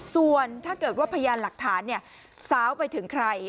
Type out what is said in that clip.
ส่วนถ้าเกิดว่าพยานหลักฐานสาวไปถึงใคร